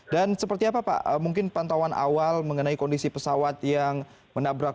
dan seperti apa pak mungkin pantauan awal mengenai kondisi pesawat yang menabrak